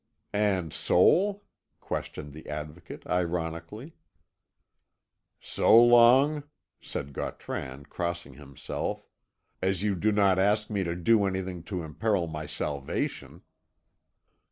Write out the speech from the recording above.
"And soul?" questioned the Advocate ironically. "So long," said Gautran, crossing himself, "as you do not ask me to do anything to imperil my salvation."